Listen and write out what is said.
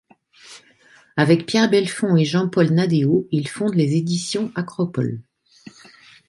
Avec Pierre Belfond et Jean-Paul Naddeo, il fonde les éditions Acropole.